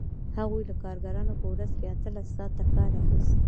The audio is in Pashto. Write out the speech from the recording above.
هغوی له کارګرانو په ورځ کې اتلس ساعته کار اخیست